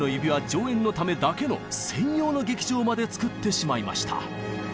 上演のためだけの専用の劇場まで造ってしまいました。